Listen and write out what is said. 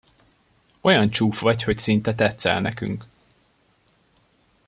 Olyan csúf vagy, hogy szinte tetszel nekünk!